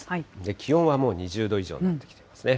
気温はもう２０度以上になってきてますね。